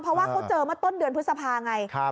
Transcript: เพราะว่าเขาเจอเมื่อต้นเดือนพฤษภาไง